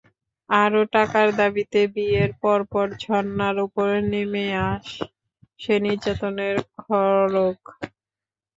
আরও টাকার দাবিতে বিয়ের পরপর ঝর্ণার ওপর নেমে আসে নির্যাতনের খড়্গ।